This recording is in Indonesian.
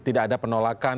tidak ada penolakan